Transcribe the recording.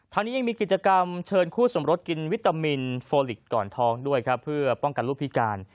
นี้ยังมีกิจกรรมเชิญคู่สมรสกินวิตามินโฟลิกก่อนทองด้วยครับเพื่อป้องกันลูกพิการ